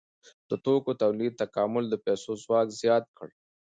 د توکو تولید تکامل د پیسو ځواک زیات کړ.